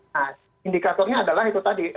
nah indikatornya adalah itu tadi